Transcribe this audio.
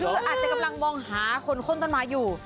คืออาจจะกำลังมองหาคนข้นต้นไม้อยู่